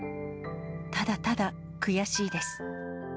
ただただ悔しいです。